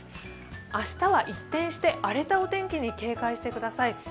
明日は一転して荒れたお天気に警戒してください。